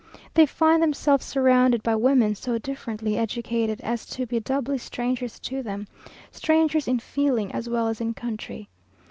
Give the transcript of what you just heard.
They find themselves surrounded by women so differently educated, as to be doubly strangers to them, strangers in feeling as well as in country.